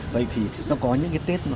vậy thì nó có những cái tết